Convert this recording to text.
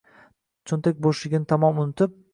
Cho’ntak bo’shligini tamom unutib